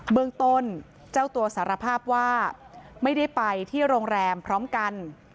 เมืองต้นเจ้าตัวสารภาพว่าไม่ได้ไปที่โรงแรมพร้อมกัน